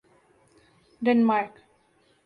Denmark